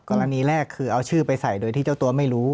กรณีแรกคือเอาชื่อไปใส่โดยที่เจ้าตัวไม่รู้